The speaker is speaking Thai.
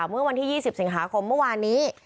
เมื่อวันที่๒๐สิงหาคมเมื่อวานนี้